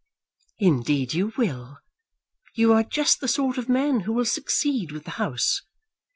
"Indeed you will. You are just the sort of man who will succeed with the House.